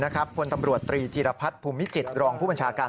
คนตำรวจตรีจีรพัฒน์ภูมิจิตรองผู้บัญชาการ